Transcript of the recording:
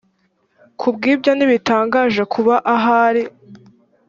ku bw ibyo ntibitangaje kuba ahari